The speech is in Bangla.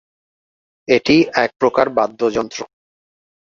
এটি এক প্রকার বাদ্যযন্ত্র।